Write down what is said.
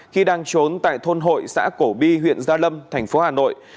khi đang trốn tại thôn hội xã cổ bi huyện gia lâm thành phố hà nội